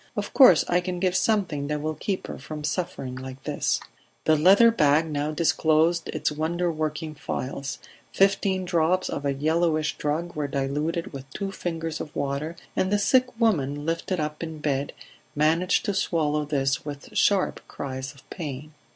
"Of course I can give something that will keep her from suffering like this." The leather bag now disclosed its wonderworking phials; fifteen drops of a yellowish drug were diluted with two fingers of water, and the sick woman, lifted up in bed, managed to swallow this with sharp cries of pain.